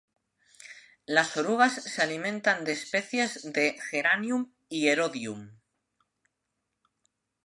Las orugas se alimentan de especies de "Geranium" y "Erodium".